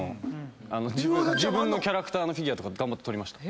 自分のキャラクターのフィギュアとか頑張って取りました。